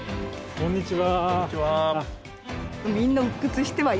こんにちは。